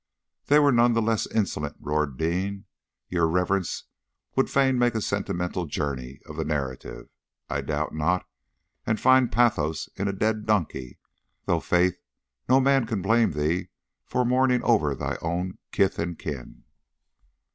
"They were none the less insolent," roared the Dean. "Your reverence would fain make a Sentimental Journey of the narrative, I doubt not, and find pathos in a dead donkey though faith, no man can blame thee for mourning over thy own kith and kin."